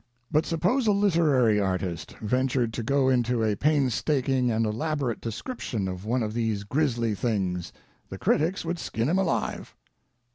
But suppose a literary artist ventured to go into a painstaking and elaborate description of one of these grisly things the critics would skin him alive.